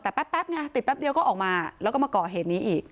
แต่แป๊บไงติดแป๊บเดียวก็ออกมาแล้วก็มาก่อเหตุนี้อีก